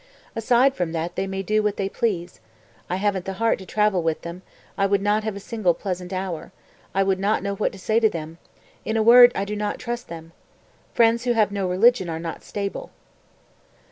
Aside from that they may do what they please. I haven't the heart to travel with them, I would not have a single pleasant hour, I would not know what to say to them; in a word I do not trust them. Friends who have no religion are not stable."